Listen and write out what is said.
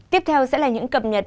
tiếp theo sẽ là những cập nhật